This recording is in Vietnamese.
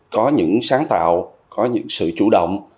có những sáng tạo có những sự chủ động